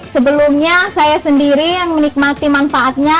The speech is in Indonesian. sebelumnya saya sendiri yang menikmati manfaatnya